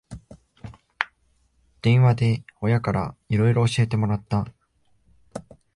電話で親からいろいろ教えてもらった